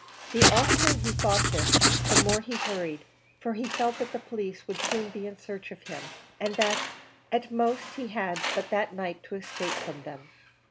The oftener he thought of this, the more he hurried, for he felt that the police would be soon in search of him, and that at most he had but that night to escape from them.